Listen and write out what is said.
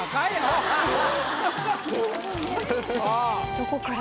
どこから。